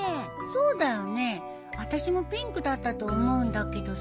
そうだよねあたしもピンクだったと思うんだけどさ。